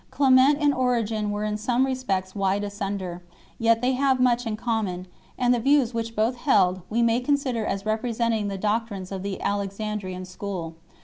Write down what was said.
Clement and Origen were in some respects wide asunder ; yet they have much in. common, and the views which both held we may consider as representing the doctrines of the Alexandrian School.